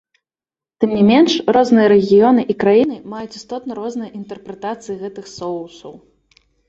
Тым не менш, розныя рэгіёны і краіны маюць істотна розныя інтэрпрэтацыі гэтых соусаў.